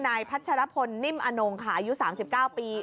พัชรพลนิ่มอนงค่ะอายุ๓๙ปี